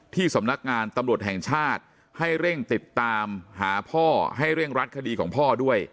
สำนักงานตำรวจแห่งชาติให้เร่งติดตามหาพ่อให้เร่งรัดคดีของพ่อด้วย